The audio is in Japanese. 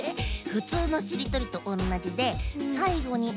ふつうのしりとりとおんなじでさいごに「ん」がついてもまけ。